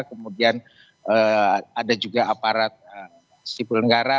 kemudian ada juga aparat sipil negara